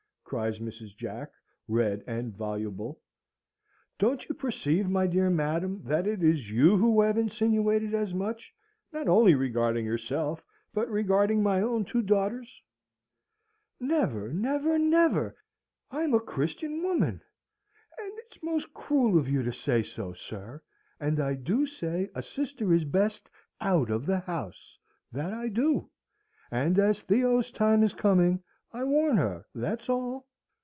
cries Mrs. Jack, red and voluble. "Don't you perceive, my dear madam, that it is you who have insinuated as much, not only regarding yourself, but regarding my own two daughters?" "Never, never, never, as I'm a Christian woman! And it's most cruel of you to say so, sir. And I do say a sister is best out of the house, that I do! And as Theo's time is coming, I warn her, that's all."